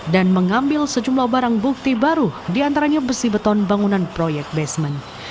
dan mengambil sejumlah barang bukti baru di antaranya besi beton bangunan proyek basement